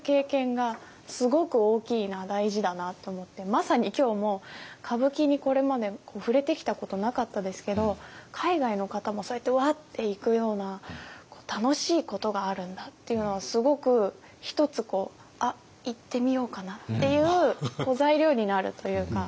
まさに今日も歌舞伎にこれまで触れてきたことなかったですけど海外の方もそうやってうわって行くような楽しいことがあるんだっていうのはすごく一つ「あっ行ってみようかな」っていう材料になるというか。